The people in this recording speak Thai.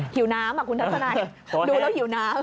หิวน้ำคุณทัศนัยดูแล้วหิวน้ำ